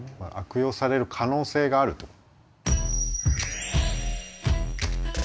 悪用される可能性があると。